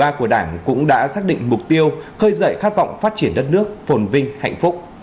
và đại hội một mươi ba của đảng cũng đã xác định mục tiêu khởi dậy khát vọng phát triển đất nước phồn vinh hạnh phúc